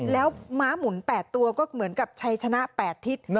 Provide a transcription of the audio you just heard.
แล้วม้าหมุน๘ตัวก็เหมือนกับชัยชนะ๘ทิศ